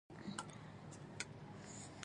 زه فکر نه کوم چې د نظار شورا دې د انتخاب چانس ولري.